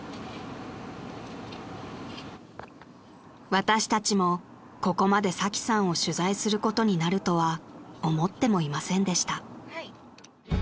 ［私たちもここまでサキさんを取材することになるとは思ってもいませんでした］